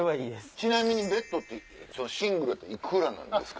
ちなみにベッドってシングルやと幾らなんですか？